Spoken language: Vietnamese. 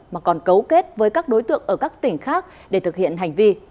mà còn cấu kết với các đối tượng ở các tỉnh khác để thực hiện hành vi